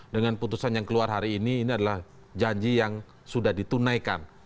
dengan putusan yang keluar hari ini ini adalah janji yang sudah ditunaikan